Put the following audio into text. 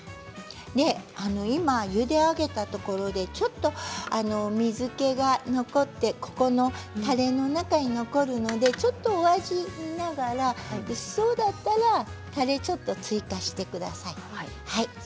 今ゆで上げたところでちょっと水けが残ってこのたれの中に残るのでちょっとお味を見ながら薄そうだったら、たれをちょっと追加してください。